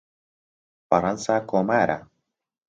فەرەنسا کۆمارە.